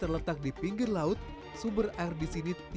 dengan mengganggu menggengsebi haji jamiyin bin abduloh